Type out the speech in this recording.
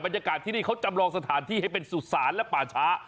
บรรยากาศที่นี่เขาจำลองสถานที่ให้เป็นสุสานและป่าช้า